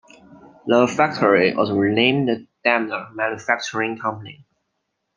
The factory was renamed Daimler Manufacturing Company.